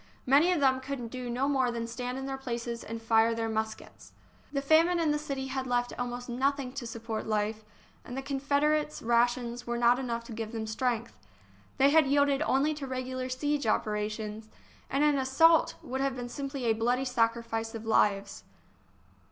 Many of them could do no more than stand in their places and fire their muskets. The famine in the city had left almost nothing to support life, and the Confederates' rations were not enough to give them strength. They had yielded only to regular siege operations — and an assault would have been simply a bloody sacrifice of lives.